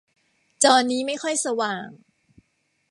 จอนี้ไม่ค่อยสว่าง